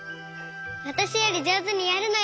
わたしよりじょうずにやるのよ！